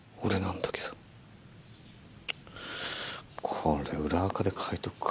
これ裏垢で書いとくか。